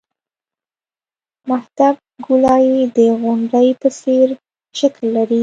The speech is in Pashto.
محدب ګولایي د غونډۍ په څېر شکل لري